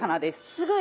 すごい。